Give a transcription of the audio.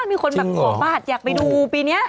มีคนแบบขอบาทอยากไปดูปีนี้